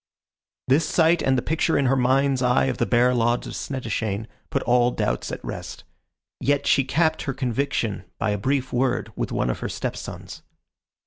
This sight and the picture in her mind's eye of the bare lodge of Snettishane, put all doubts at rest. Yet she capped her conviction by a brief word with one of her step sons.